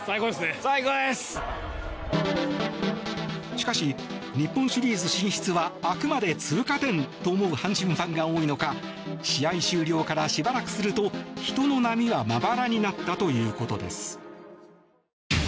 しかし、日本シリーズ進出はあくまで通過点と思う阪神ファンが多いのか試合終了からしばらくすると人の波はまばらになったということです。